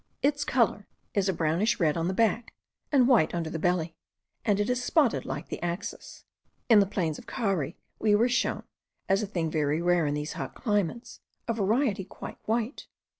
Its colour is a brownish red on the back, and white under the belly; and it is spotted like the axis. In the plains of Cari we were shown, as a thing very rare in these hot climates, a variety quite white.